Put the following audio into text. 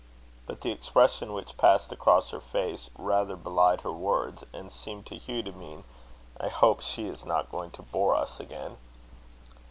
But the expression which passed across her face, rather belied her words, and seemed to Hugh to mean: "I hope she is not going to bore us again."